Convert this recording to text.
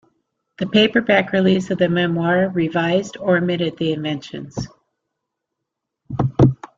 The paperback release of the memoir revised or omitted the inventions.